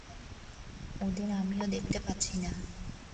ওদের আমিও দেখতে পাচ্ছি না।